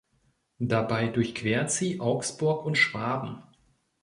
Dabei durchquert sie Augsburg und Schwaben.